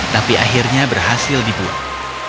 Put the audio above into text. tapi akhirnya berhasil dibuat